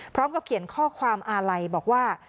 พร้อมกับเขียนข้อความอาลัยบอกว่า